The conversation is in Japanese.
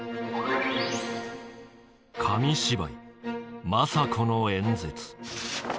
紙芝居「政子の演説」。